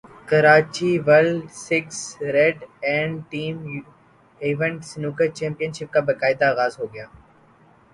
Karachi world six red and team event snooker championship کا باقاعدہ اغاز ہوگیا